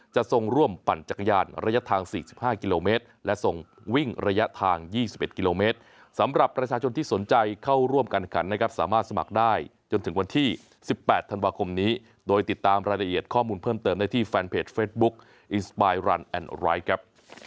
ทรงร่วมปั่นจักรยานระยะทาง๔๕กิโลเมตรและส่งวิ่งระยะทาง๒๑กิโลเมตรสำหรับประชาชนที่สนใจเข้าร่วมการขันนะครับสามารถสมัครได้จนถึงวันที่๑๘ธันวาคมนี้โดยติดตามรายละเอียดข้อมูลเพิ่มเติมได้ที่แฟนเพจเฟสบุ๊กอิสปายรันแอนด์ไรครับ